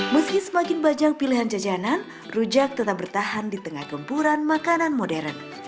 meski semakin bajang pilihan jajanan rujak tetap bertahan di tengah gempuran makanan modern